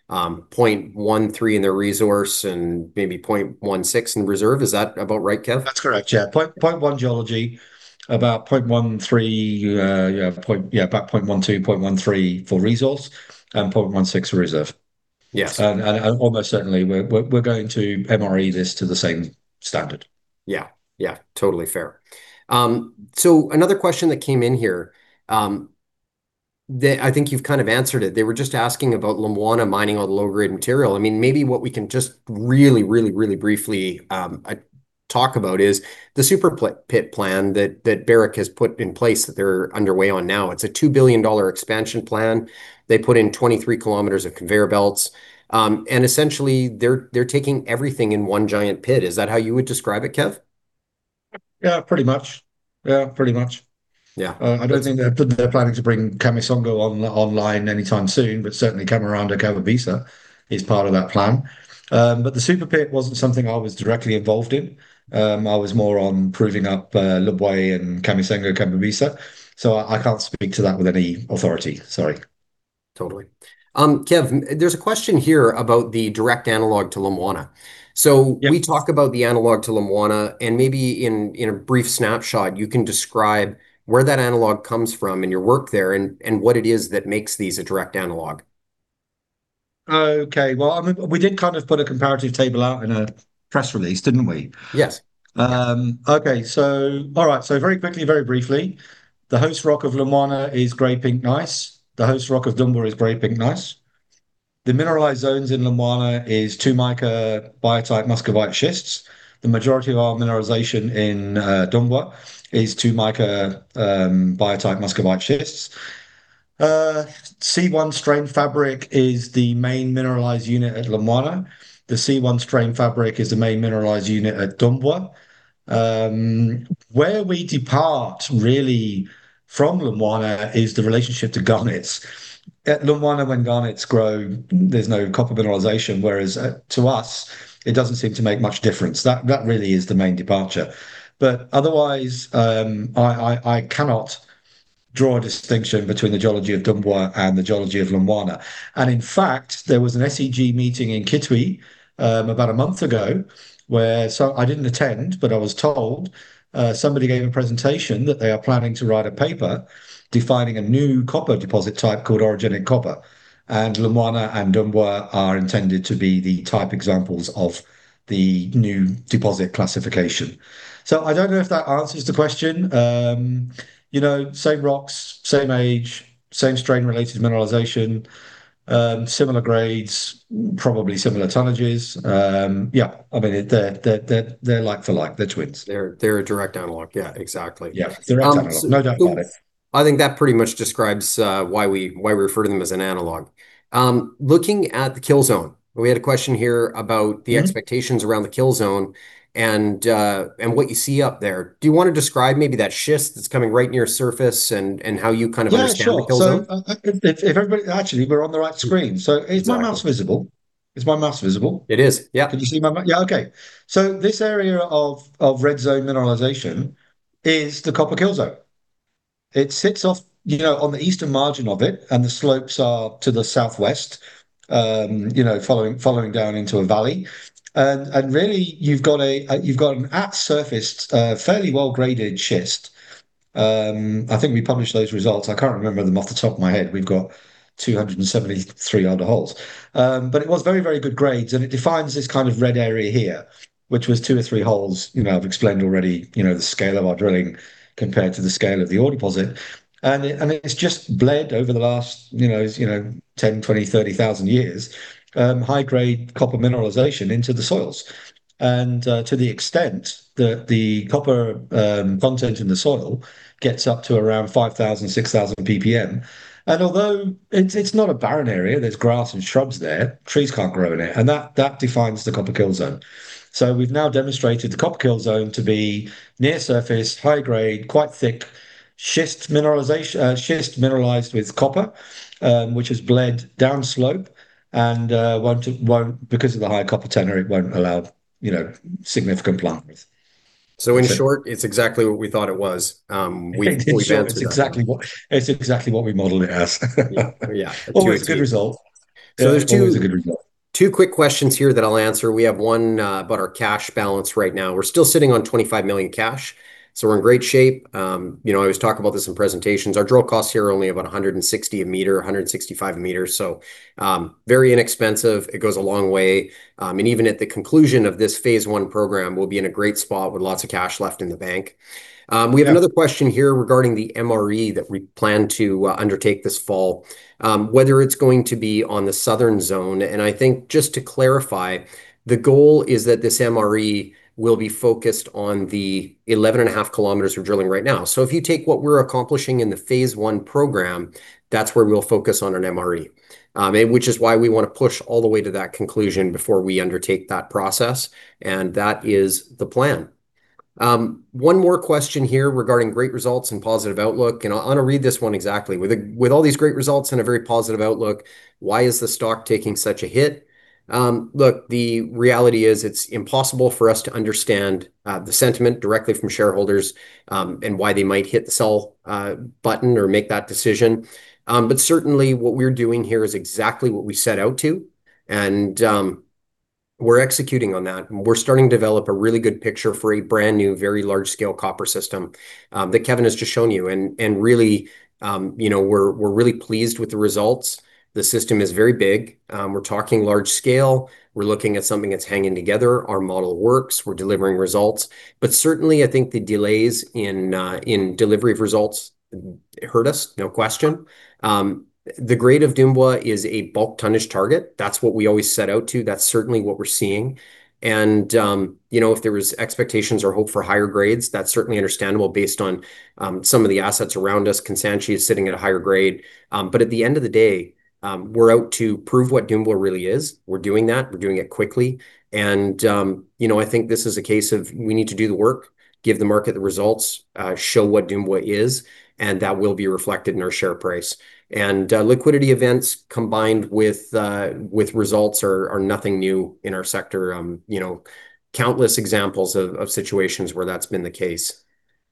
0.13 in their resource and maybe 0.16 in reserve. Is that about right, Kev? That is correct, yeah. 0.1 geology, about 0.12, 0.13 for resource, and 0.16 for reserve. Yes. Almost certainly we're going to MRE this to the same standard. Yeah. Totally fair. Another question that came in here, that I think you've kind of answered it. They were just asking about Lumwana mining all the low-grade material. Maybe what we can just really, really briefly talk about is the Super Pit plan that Barrick has put in place that they're underway on now. It's a 2 billion dollar expansion plan. They put in 23 km of conveyor belts, and essentially they're taking everything in one giant pit. Is that how you would describe it, Kev? Yeah, pretty much. Yeah. I don't think they're planning to bring Kamisengo online anytime soon, certainly Kamaranda, Kababisa is part of that plan. The Super Pit wasn't something I was directly involved in. I was more on proving up Lubwe and Kamisengo, Kababisa, so I can't speak to that with any authority. Sorry. Totally. Kev, there's a question here about the direct analog to Lumwana. Yeah. Can we talk about the analog to Lumwana, and maybe in a brief snapshot, you can describe where that analog comes from in your work there and what it is that makes these a direct analog. Okay. Well, we did put a comparative table out in a press release, didn't we? Yes. Okay. All right, very quickly, very briefly, the host rock of Lumwana is grey pelitic gneiss. The host rock of Dumbwa is grey pelitic gneiss. The mineralized zones in Lumwana is two mica biotite muscovite schists. The majority of our mineralization in Dumbwa is two mica biotite muscovite schists. S1 fabric is the main mineralized unit at Lumwana. The S1 fabric is the main mineralized unit at Dumbwa. Where we depart really from Lumwana is the relationship to garnets. At Lumwana, when garnets grow, there's no copper mineralization, whereas to us, it doesn't seem to make much difference. That really is the main departure. Otherwise, I cannot draw a distinction between the geology of Dumbwa and the geology of Lumwana. In fact, there was an SEG meeting in Kitwe about a month ago where, I didn't attend, but I was told somebody gave a presentation that they are planning to write a paper defining a new copper deposit type called orogenic copper, and Lumwana and Dumbwa are intended to be the type examples of the new deposit classification. I don't know if that answers the question. Same rocks, same age, same strain-related mineralization, similar grades, probably similar tonnages. Yeah, they're like for like. They're twins. They're a direct analog. Yeah, exactly. Yeah. Direct analog. No doubt about it. I think that pretty much describes why we refer to them as an analog. Looking at the kill zone, we had a question here about. The expectations around the kill zone and what you see up there. Do you want to describe maybe that schist that's coming right near surface and how you kind of understand the kill zone? Yeah, sure. Actually, we're on the right screen. Is my mouse visible? It is, yeah. Can you see my mouse? Yeah. Okay. This area of red zone mineralization is the copper kill zone. It sits off on the eastern margin of it, the slopes are to the southwest, following down into a valley. Really you've got an at-surfaced, fairly well-graded schist. I think we published those results. I can't remember them off the top of my head. We've got 273 under holes. It was very, very good grades and it defines this kind of red area here, which was two or three holes. I've explained already the scale of our drilling compared to the scale of the ore deposit. It's just bled over the last 10,000, 20,000, 30,000 years, high-grade copper mineralization into the soils. To the extent that the copper content in the soil gets up to around 5,000, 6,000 ppm. Although it's not a barren area, there's grass and shrubs there, trees can't grow in it. That defines the copper kill zone. We've now demonstrated the copper kill zone to be near-surface, high-grade, quite thick, schist-mineralized with copper, which has bled downslope and because of the high copper tenor, it won't allow significant plants. In short, it's exactly what we thought it was. We bounced it up. It's exactly what we modeled it as. Yeah. It's always good. Always a good result. There's two quick questions here that I'll answer. We have one about our cash balance right now. We're still sitting on 25 million cash, so we're in great shape. I always talk about this in presentations. Our drill costs here are only about 160 a m, 165 a m. Very inexpensive. It goes a long way. Even at the conclusion of this phase one program, we'll be in a great spot with lots of cash left in the bank. We have another question here regarding the MRE that we plan to undertake this fall, whether it's going to be on the southern zone. I think just to clarify, the goal is that this MRE will be focused on the 11 and a half km we're drilling right now. If you take what we're accomplishing in the phase one program, that's where we'll focus on an MRE, which is why we want to push all the way to that conclusion before we undertake that process. That is the plan. One more question here regarding great results and positive outlook. I want to read this one exactly. "With all these great results and a very positive outlook, why is the stock taking such a hit?" Look, the reality is it's impossible for us to understand the sentiment directly from shareholders, why they might hit the sell button or make that decision. Certainly what we're doing here is exactly what we set out to and we're executing on that. We're starting to develop a really good picture for a brand new, very large-scale copper system that Kevin has just shown you. We're really pleased with the results. The system is very big. We're talking large scale. We're looking at something that's hanging together. Our model works. We're delivering results. Certainly I think the delays in delivery of results hurt us, no question. The grade of Dumbwa is a bulk tonnage target. That's what we always set out to. That's certainly what we're seeing. If there was expectations or hope for higher grades, that's certainly understandable based on some of the assets around us. Kansanshi is sitting at a higher grade. At the end of the day, we're out to prove what Dumbwa really is. We're doing that. We're doing it quickly. I think this is a case of we need to do the work, give the market the results, show what Dumbwa is, and that will be reflected in our share price. Liquidity events combined with results are nothing new in our sector. Countless examples of situations where that's been the case.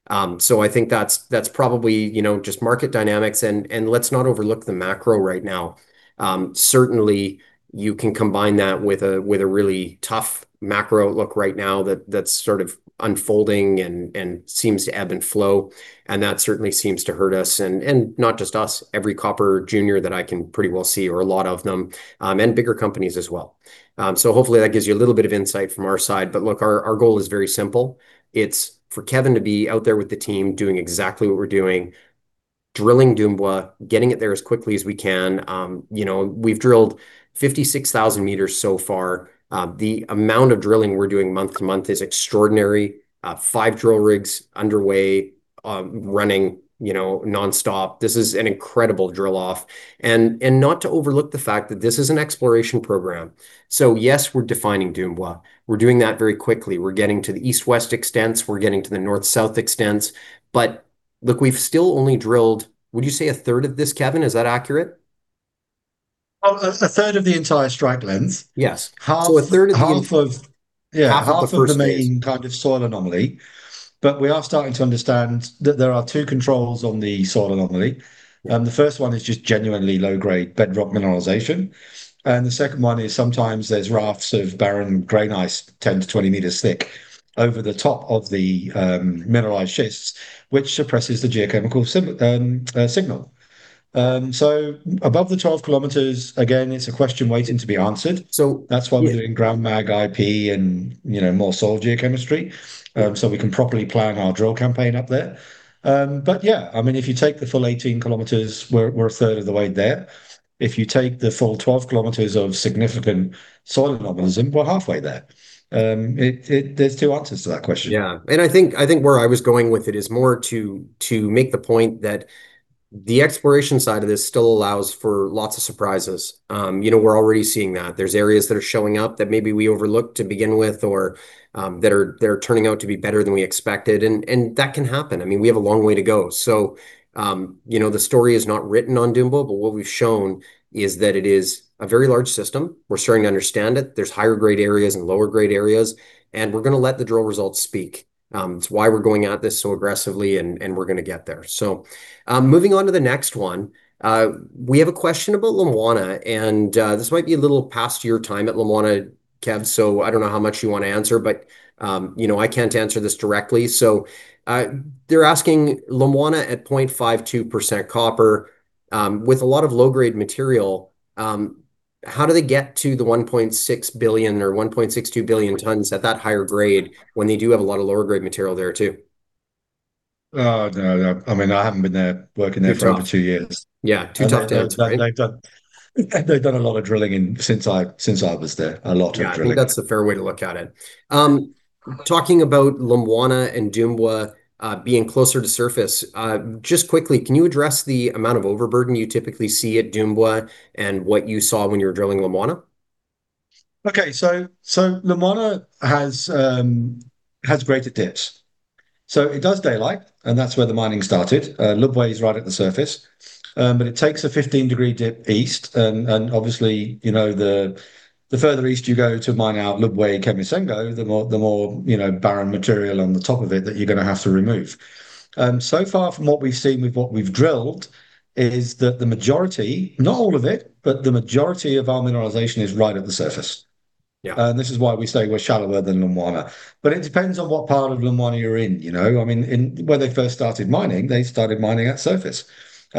I think that's probably just market dynamics and let's not overlook the macro right now. Certainly, you can combine that with a really tough macro look right now that's sort of unfolding and seems to ebb and flow, and that certainly seems to hurt us, and not just us, every copper junior that I can pretty well see or a lot of them, and bigger companies as well. Hopefully that gives you a little bit of insight from our side. Look, our goal is very simple. It's for Kevin to be out there with the team doing exactly what we're doing, drilling Dumbwa, getting it there as quickly as we can. We've drilled 56,000 m so far. The amount of drilling we're doing month to month is extraordinary. Five drill rigs underway, running nonstop. This is an incredible drill off. Not to overlook the fact that this is an exploration program. Yes, we're defining Dumbwa. We're doing that very quickly. We're getting to the east-west extents. We're getting to the north-south extents. Look, we've still only drilled, would you say a third of this, Kevin? Is that accurate? A third of the entire strike lens. Yes. Half of. a third of the first phase half of the main kind of soil anomaly. We are starting to understand that there are two controls on the soil anomaly. The first one is just genuinely low-grade bedrock mineralization, and the second one is sometimes there's rafts of barren granite, 10-20 m thick over the top of the mineralized schists, which suppresses the geochemical signal. Above the 12 km, again, it's a question waiting to be answered. So- That's why we're doing ground mag IP and more soil geochemistry, so we can properly plan our drill campaign up there. If you take the full 18 km, we're a third of the way there. If you take the full 12 km of significant soil anomalies, then we're halfway there. There's two answers to that question. I think where I was going with it is more to make the point that The exploration side of this still allows for lots of surprises. We're already seeing that. There's areas that are showing up that maybe we overlooked to begin with or that are turning out to be better than we expected, and that can happen. We have a long way to go. The story is not written on Dumbwa, but what we've shown is that it is a very large system. We're starting to understand it. There's higher grade areas and lower grade areas, and we're going to let the drill results speak. It's why we're going at this so aggressively and we're going to get there. Moving on to the next one. We have a question about Lumwana, this might be a little past your time at Lumwana, Kev, I don't know how much you want to answer, but I can't answer this directly. They're asking Lumwana at 0.52% copper, with a lot of low-grade material, how do they get to the 1.6 billion or 1.62 billion tons at that higher grade when they do have a lot of lower grade material there too? Oh, no, I haven't been there. Too tough for over two years. Yeah, too tough. They've done a lot of drilling since I was there. A lot of drilling. Yeah. I think that's the fair way to look at it. Talking about Lumwana and Dumbwa being closer to surface, just quickly, can you address the amount of overburden you typically see at Dumbwa and what you saw when you were drilling Lumwana? Okay. Lumwana has greater dips. It does daylight, and that's where the mining started. Lumwana is right at the surface. It takes a 15-degree dip east. Obviously, the further east you go to mine out Lumwana, Kamisengo, the more barren material on the top of it that you're going to have to remove. Far from what we've seen with what we've drilled is that the majority, not all of it, but the majority of our mineralization is right at the surface. Yeah. This is why we say we're shallower than Lumwana. It depends on what part of Lumwana you're in. When they first started mining, they started mining at surface, and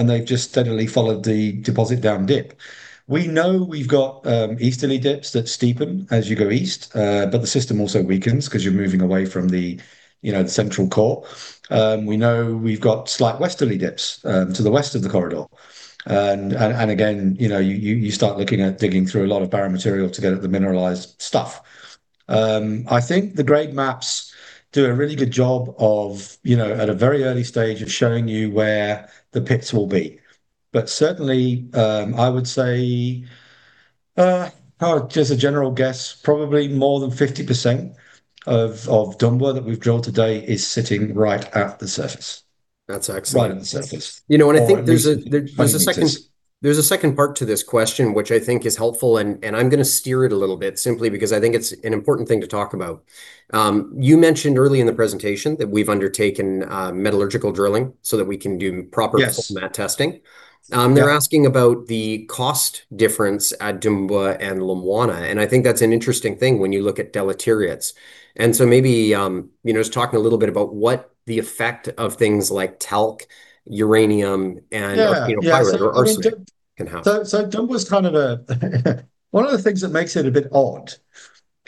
they've just steadily followed the deposit down dip. We know we've got easterly dips that steepen as you go east. The system also weakens because you're moving away from the central core. We know we've got slight westerly dips to the west of the corridor. Again, you start looking at digging through a lot of barren material to get at the mineralized stuff. I think the grade maps do a really good job of, at a very early stage, of showing you where the pits will be. Certainly, I would say, just a general guess, probably more than 50% of Dumbwa that we've drilled to date is sitting right at the surface. That's excellent. Right at the surface. I think there's a second part to this question which I think is helpful, and I'm going to steer it a little bit simply because I think it's an important thing to talk about. You mentioned early in the presentation that we've undertaken metallurgical drilling so that we can do proper- Yes full mat testing. Yeah. They're asking about the cost difference at Dumbwa and Lumwana. I think that's an interesting thing when you look at deleterious. Maybe, just talking a little bit about what the effect of things like talc, uranium. Yeah pyrite or arsenic can have. Dumbwa's one of the things that makes it a bit odd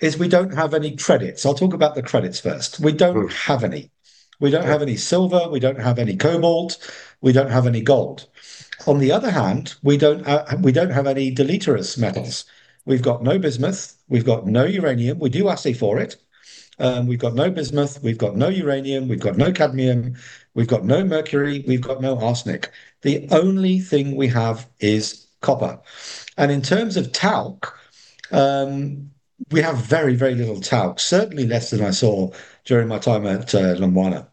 is we don't have any credits. I'll talk about the credits first. We don't have any. We don't have any silver. We don't have any cobalt. We don't have any gold. On the other hand, we don't have any deleterious metals. We've got no bismuth, we've got no uranium. We do assay for it. We've got no bismuth, we've got no uranium, we've got no cadmium, we've got no mercury, we've got no arsenic. The only thing we have is copper. In terms of talc, we have very, very little talc, certainly less than I saw during my time at Lumwana.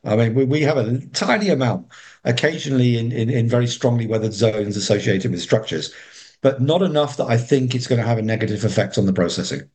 We have a tiny amount occasionally in very strongly weathered zones associated with structures, but not enough that I think it's going to have a negative effect on the processing.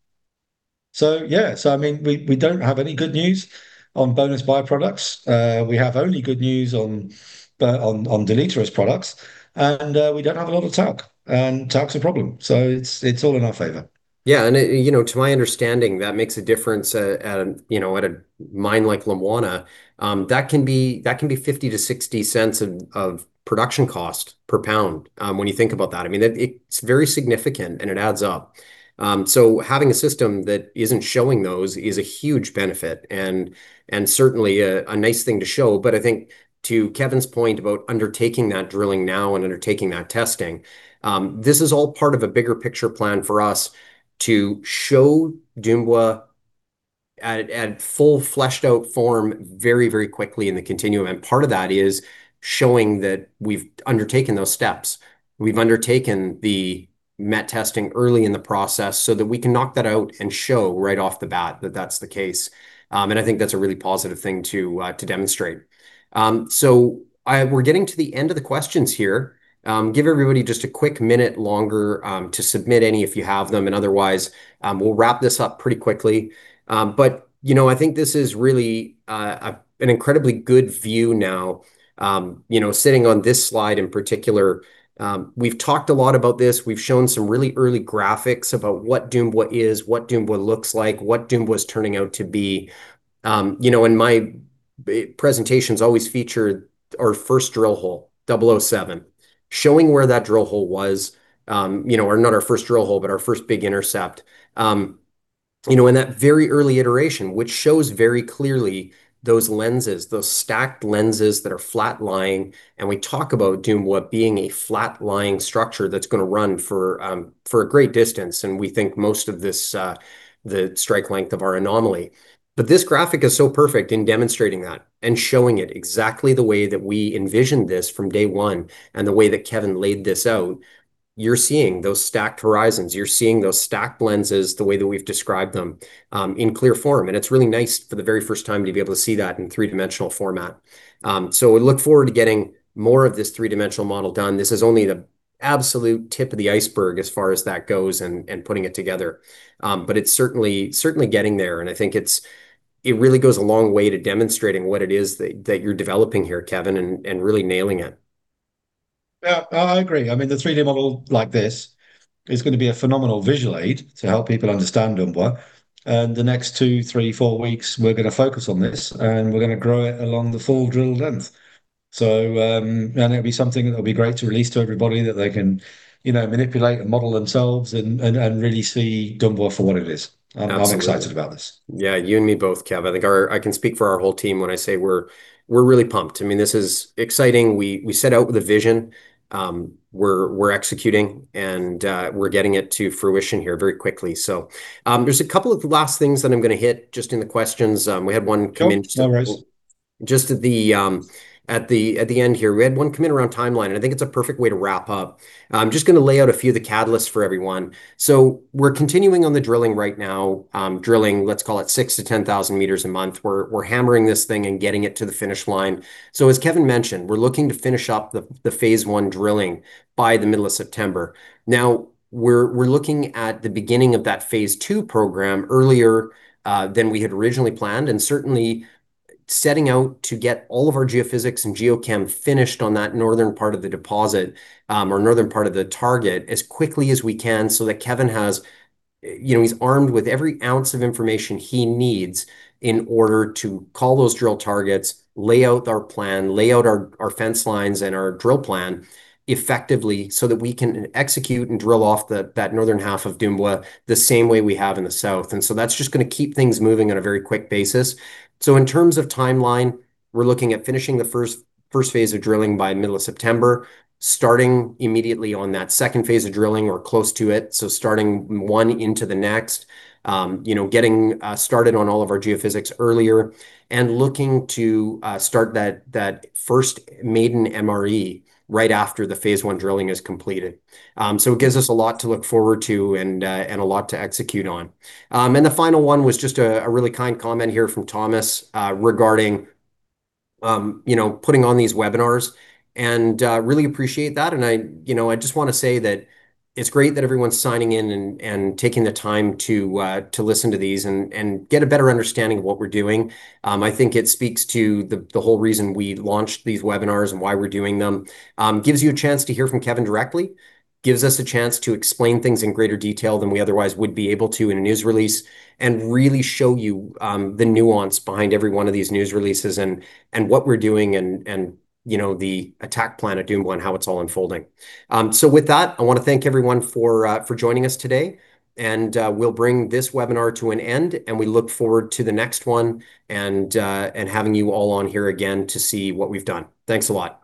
Yeah. We don't have any good news on bonus byproducts. We have only good news on deleterious products. We don't have a lot of talc, and talc's a problem, it's all in our favor. Yeah. To my understanding, that makes a difference at a mine like Lumwana. That can be 0.50 to 0.60 of production cost per pound, when you think about that. It's very significant, and it adds up. Having a system that isn't showing those is a huge benefit and certainly a nice thing to show. I think to Kevin's point about undertaking that drilling now and undertaking that testing, this is all part of a bigger picture plan for us to show Dumbwa at full fleshed-out form very, very quickly in the continuum. Part of that is showing that we've undertaken those steps. We've undertaken the met testing early in the process so that we can knock that out and show right off the bat that that's the case. I think that's a really positive thing to demonstrate. We're getting to the end of the questions here. Give everybody just a quick minute longer to submit any if you have them, otherwise, we'll wrap this up pretty quickly. I think this is really an incredibly good view now. Sitting on this slide in particular, we've talked a lot about this. We've shown some really early graphics about what Dumbwa is, what Dumbwa looks like, what Dumbwa's turning out to be. My presentations always feature our first drill hole, 007. Showing where that drill hole was, or not our first drill hole, but our first big intercept. In that very early iteration, which shows very clearly those lenses, those stacked lenses that are flat-lying, we talk about Dumbwa being a flat-lying structure that's going to run for a great distance, we think most of the strike length of our anomaly. This graphic is so perfect in demonstrating that and showing it exactly the way that we envisioned this from day one and the way that Kevin laid this out. You're seeing those stacked horizons, you're seeing those stacked beds as the way that we've described them in clear form. It's really nice for the very first time to be able to see that in three-dimensional format. We look forward to getting more of this three-dimensional model done. This is only the absolute tip of the iceberg as far as that goes and putting it together. It's certainly getting there, and I think it really goes a long way to demonstrating what it is that you're developing here, Kevin, and really nailing it. I agree. The 3D model like this is going to be a phenomenal visual aid to help people understand Dumbwa. The next two, three, four weeks, we're going to focus on this, and we're going to grow it along the full drill length. It'll be something that'll be great to release to everybody that they can manipulate and model themselves and really see Dumbwa for what it is. I'm excited about this. Yeah, you and me both, Kev. I think I can speak for our whole team when I say we're really pumped. This is exciting. We set out with a vision. We're executing and we're getting it to fruition here very quickly. There's a couple of last things that I'm going to hit just in the questions. We had one come in- Sure. No worries Just at the end here. We had one come in around timeline, and I think it's a perfect way to wrap up. I'm just going to lay out a few of the catalysts for everyone. We're continuing on the drilling right now. Drilling, let's call it 6 to 10,000 m a month. We're hammering this thing and getting it to the finish line. As Kevin mentioned, we're looking to finish up the phase one drilling by the middle of September. We're looking at the beginning of that phase two program earlier than we had originally planned, certainly setting out to get all of our geophysics and geochem finished on that northern part of the deposit, or northern part of the target, as quickly as we can so that Kevin's armed with every ounce of information he needs in order to call those drill targets, lay out our plan, lay out our fence lines and our drill plan effectively so that we can execute and drill off that northern half of Dumbwa the same way we have in the south. That's just going to keep things moving at a very quick basis. In terms of timeline, we're looking at finishing the first phase of drilling by middle of September. Starting immediately on that second phase of drilling or close to it, starting one into the next. Getting started on all of our geophysics earlier and looking to start that first maiden MRE right after the phase one drilling is completed. It gives us a lot to look forward to and a lot to execute on. The final one was just a really kind comment here from Thomas, regarding putting on these webinars and really appreciate that. I just want to say that it's great that everyone's signing in and taking the time to listen to these and get a better understanding of what we're doing. I think it speaks to the whole reason we launched these webinars and why we're doing them. Gives you a chance to hear from Kevin directly. Gives us a chance to explain things in greater detail than we otherwise would be able to in a news release and really show you the nuance behind every one of these news releases and what we're doing and the attack plan at Dumbwa and how it's all unfolding. With that, I want to thank everyone for joining us today, we'll bring this webinar to an end and we look forward to the next one and having you all on here again to see what we've done. Thanks a lot.